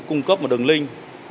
cung cấp một đường link